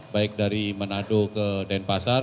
baik dari manado ke denpasar